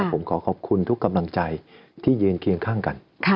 ผมขอขอบคุณทุกกำลังใจที่ยืนเคียงข้างกัน